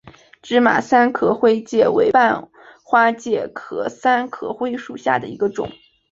芝麻三壳灰介为半花介科三壳灰介属下的一个种。